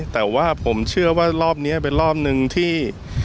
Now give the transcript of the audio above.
แต่ว่าผมเชื่อว่ารอบนี้เป็นรอบหนึ่งที่